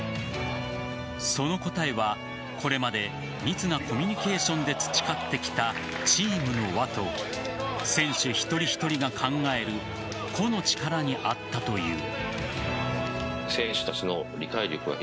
その答えはこれまで密なコミュニケーションで培ってきたチームの輪と選手一人一人が考える個の力にあったという。